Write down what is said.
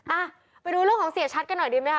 อ่ะไปดูเรื่องของเสียชัดกันหน่อยดีไหมค